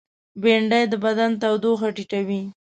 بېنډۍ د بدن تودوخه ټیټوي